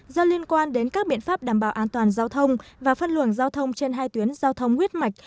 do liên quan đến các biện pháp đảm bảo an toàn giao thông và phân luồng giao thông trên hai tuyến giao thông huyết mạch